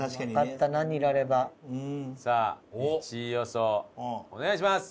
さあ１位予想お願いします。